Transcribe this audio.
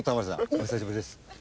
お久しぶりです。